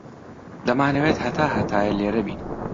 دەمانەوێت هەتا هەتایە لێرە بین.